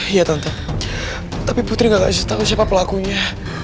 iya tante tapi putri gak kasih tahu siapa pelakunya